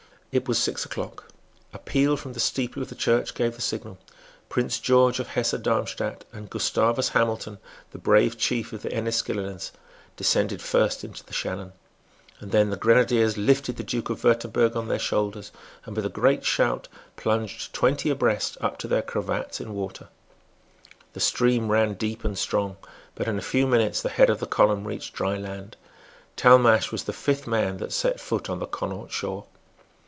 It was six o'clock. A peal from the steeple of the church gave the signal. Prince George of Hesse Darmstadt, and Gustavus Hamilton, the brave chief of the Enniskilleners, descended first into the Shannon. Then the grenadiers lifted the Duke of Wirtemberg on their shoulders, and, with a great shout, plunged twenty abreast up to their cravats in water. The stream ran deep and strong; but in a few minutes the head of the column reached dry land. Talmash was the fifth man that set foot on the Connaught shore.